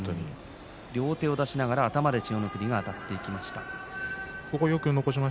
両手を出しながら千代の国があたっていきました。